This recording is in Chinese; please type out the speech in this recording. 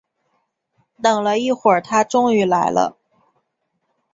等了一会儿终于来了